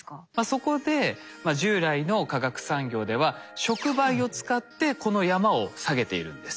そこで従来の化学産業では触媒を使ってこの山を下げているんです。